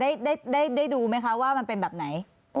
แล้วคันถัดมาได้ดูไหมคะว่ามันเป็นแบบไหน